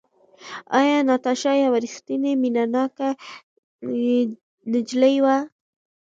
ایا ناتاشا یوه ریښتینې مینه ناکه نجلۍ وه؟